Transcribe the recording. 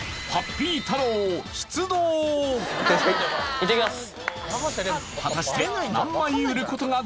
いってきます！